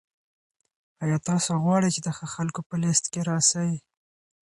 آیا تاسو غواړئ چي د ښه خلکو په لیست کي راسئ؟